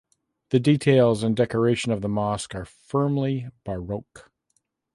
The details and decoration of the mosque are firmly Baroque.